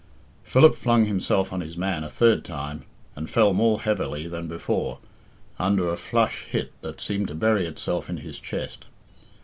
Philip flung himself on his man a third time, and fell more heavily than before, under a flush hit that seemed to bury itself in his chest.